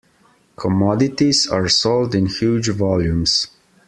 Commodities are sold in huge volumes.